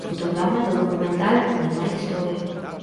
Fotograma do documental 'Onde máis doe'.